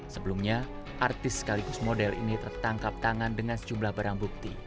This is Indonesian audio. sebelumnya artis sekaligus model ini tertangkap tangan dengan sejumlah barang bukti